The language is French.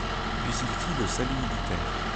Puis il fit le salut militaire.